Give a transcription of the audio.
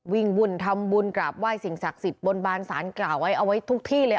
บุญทำบุญกราบไหว้สิ่งศักดิ์สิทธิ์บนบานสารกล่าวไว้เอาไว้ทุกที่เลย